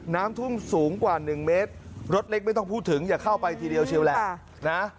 น้ำท่วมสูงกว่า๑เมตรรถเล็กไม่ต้องพูดถึงอย่าเข้าไปทีเดียวเชียวแหละนะ